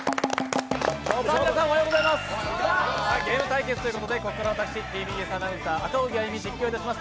ゲーム対決ということでここから私、ＴＢＳアナウンサー赤荻歩が実況いたします。